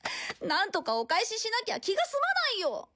なんとかお返ししなきゃ気が済まないよ！